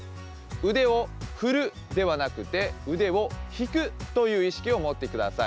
腕を振るではなくて腕を引くという意識を持ってください。